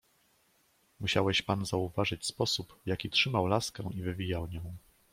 "Musiałeś pan zauważyć sposób, w jaki trzymał laskę i wywijał nią."